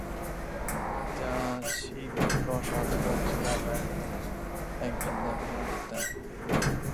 যা শিবপ্রসাদ বক্সী নামের একজন দেখাশোনা করতেন।